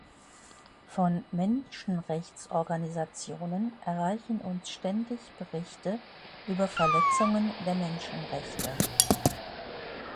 Von Menschenrechtsorganisationen erreichen uns ständig Berichte über Verletzungen der Menschenrechte.